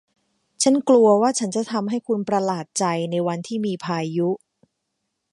ฉันกลัวว่าฉันจะทำให้คุณประหลาดใจ ในวันที่มีพายุ